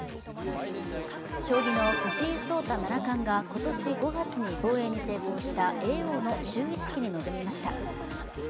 将棋の藤井聡太七冠が今年５月に防衛に成功した叡王の就位式に臨みました。